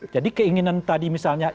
jadi keinginan tadi misalnya